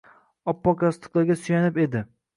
Oppoq yostiqlarga suyanib edi.